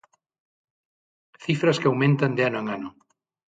Cifras que aumentan de ano en ano.